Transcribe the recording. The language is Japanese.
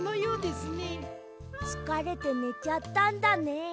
つかれてねちゃったんだね。